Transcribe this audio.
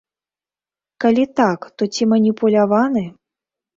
Калі так, то ці маніпуляваны?